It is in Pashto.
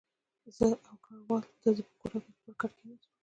زه او کراول د ده په کوټه کې پر کټ کښېناستو.